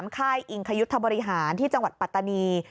ค่ายอิงคยุทธบริหารที่จังหวัดปัตตานี